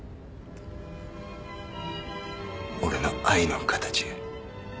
俺の愛の形や。